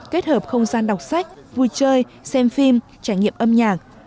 kết hợp không gian đọc sách vui chơi xem phim trải nghiệm âm nhạc